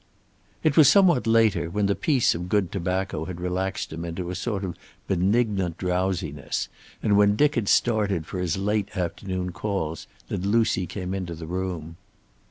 It was somewhat later, when the peace of good tobacco had relaxed him into a sort of benignant drowsiness, and when Dick had started for his late afternoon calls, that Lucy came into the room.